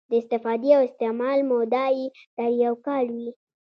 د استفادې او استعمال موده یې تر یو کال وي.